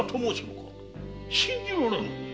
信じられぬ！